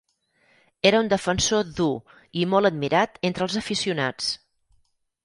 Era un defensor dur i molt admirat entre els aficionats.